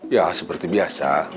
ya seperti biasa